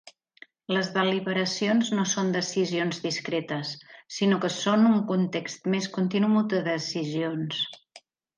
Les deliberacions no són decisions discretes, sinó que són un context més continu de decisions.